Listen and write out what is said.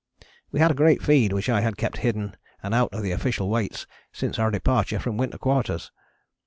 We had a great feed which I had kept hidden and out of the official weights since our departure from Winter Quarters.